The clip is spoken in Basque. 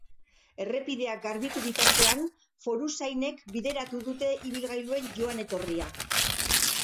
Errepidea garbitu bitartean, foruzainek bideratu dute ibilgailuen joan-etorria.